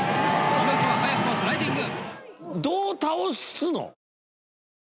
猪木は早くもスライディング。